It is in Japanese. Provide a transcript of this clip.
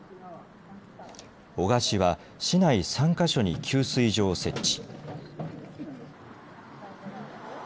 男鹿市は市内３か所に給水所を設置。